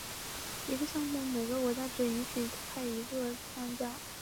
一个项目每个国家只允许派一支队参加。